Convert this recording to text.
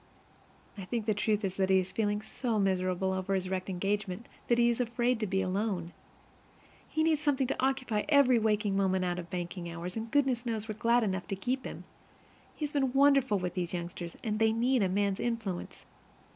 I think the truth is that he is feeling so miserable over his wrecked engagement that he is afraid to be alone. He needs something to occupy every waking moment out of banking hours. And goodness knows we're glad enough to keep him! He has been wonderful with those youngsters, and they need a man's influence.